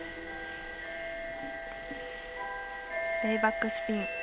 レイバックスピン。